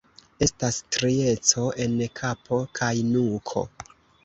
Estas strieco en kapo kaj nuko.